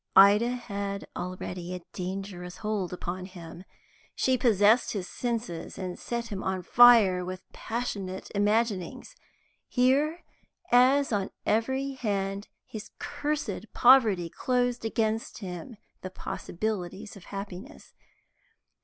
Ida had already a dangerous hold upon him; she possessed his senses, and set him on fire with passionate imaginings. Here, as on every hand, his cursed poverty closed against him the possibilities of happiness.